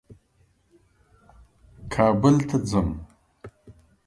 کابل ته ځم.